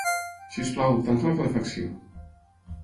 Sisplau, tanca la calefacció.